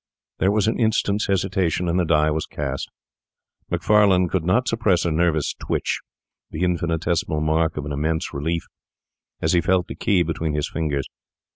There was an instant's hesitation, and the die was cast. Macfarlane could not suppress a nervous twitch, the infinitesimal mark of an immense relief, as he felt the key between his fingers.